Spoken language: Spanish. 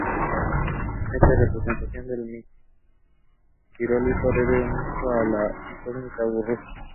Esta representación del martirologio debe mucho a la iconografía rusa.